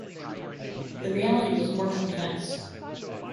The reality was more complex.